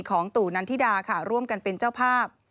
ตู่นันทิดาค่ะร่วมกันเป็นเจ้าภาพ